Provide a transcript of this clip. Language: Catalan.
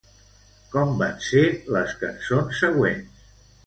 Com van ser les cançons següents?